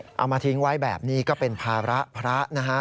เอามาทิ้งไว้แบบนี้ก็เป็นภาระพระนะฮะ